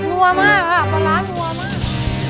นั่วมากครับมันล้างนั่วมาก